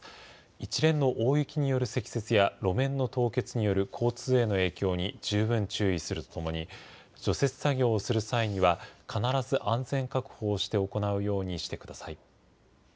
一連の大雪による積雪や、路面の凍結による交通への影響に十分注意するとともに、除雪作業をする際には、必ず安全確保をして行うようにしてください。